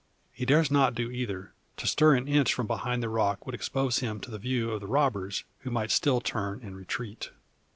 He dares not do either. To stir an inch from behind the rock, would expose him to the view of the robbers, who might still turn and retreat.